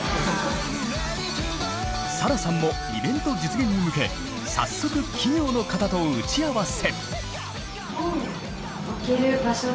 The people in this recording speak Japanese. サラさんもイベント実現に向け早速企業の方と打ち合わせ。